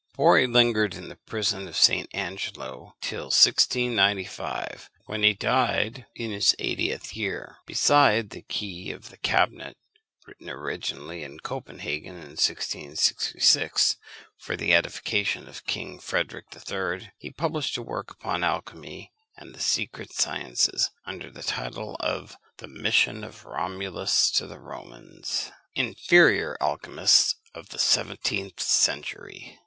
Borri lingered in the prison of St. Angelo till 1695, when he died, in his eightieth year. Besides The Key of the Cabinet, written originally in Copenhagen, in 1666, for the edification of King Frederick III., he published a work upon alchymy and the secret sciences, under the title of The Mission of Romulus to the Romans. INFERIOR ALCHYMISTS OF THE SEVENTEENTH CENTURY.